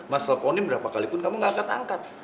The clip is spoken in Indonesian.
mas telponin berapa kalipun kamu gak angkat angkat